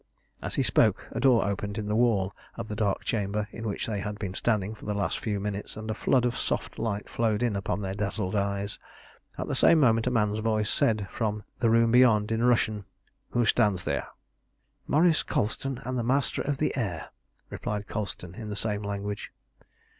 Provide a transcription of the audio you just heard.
As he spoke a door opened in the wall of the dark chamber in which they had been standing for the last few minutes, and a flood of soft light flowed in upon their dazzled eyes. At the same moment a man's voice said from the room beyond in Russian "Who stands there?" "Maurice Colston and the Master of the Air," replied Colston in the same language.